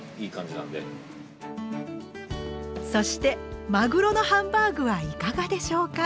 そしてまぐろのハンバーグはいかがでしょうか？